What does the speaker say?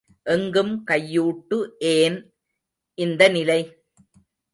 எங்கும் கையூட்டு ஏன், இந்த நிலை?